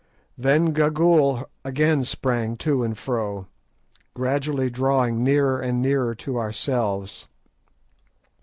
Then Gagool again sprang to and fro, gradually drawing nearer and nearer to ourselves.